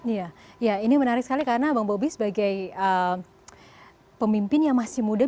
iya ya ini menarik sekali karena bang bobi sebagai pemimpin yang masih muda